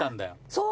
そう。